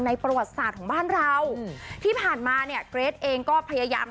ประวัติศาสตร์ของบ้านเราอืมที่ผ่านมาเนี่ยเกรทเองก็พยายาม